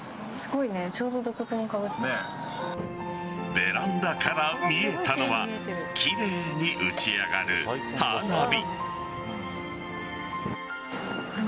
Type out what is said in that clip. ベランダから見えたのは奇麗に打ち上がる花火。